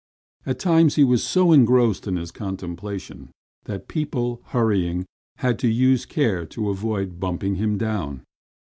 At times he was so engrossed in his contemplation that people, hurrying, had to use care to avoid bumping him down.